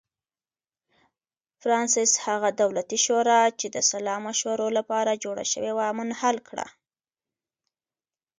فرانسس هغه دولتي شورا چې د سلا مشورو لپاره جوړه شوې وه منحل کړه.